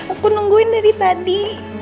aku nungguin dari tadi